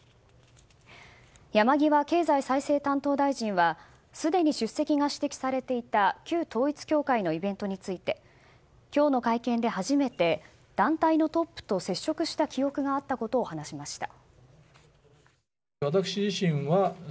山際経済再生担当大臣はすでに出席が指摘されていた旧統一教会のイベントについて今日の会見で初めて団体のトップと接触した記憶があったことを話しました。